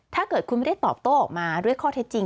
ถ้าเกิดคุณไม่ได้ตอบโต้ออกมาด้วยข้อเท็จจริง